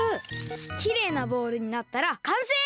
きれいなボールになったらかんせい！